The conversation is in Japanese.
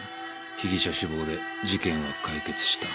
被疑者死亡で事件は解決した。